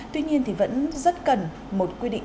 tuy nhiên thì vẫn rất cần một quy định